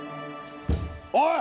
おい！